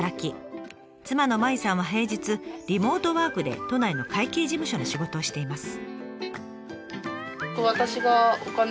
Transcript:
妻の麻衣さんは平日リモートワークで都内の会計事務所の仕事をしています。